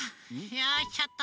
よいしょっと。